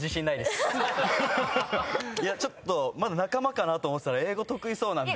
ちょっと仲間かなと思ってたら英語得意そうなんで。